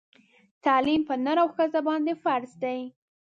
تعلیم پر نر او ښځه باندي فرض دی